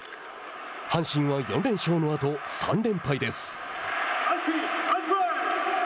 阪神は４連勝のあと、３連敗です。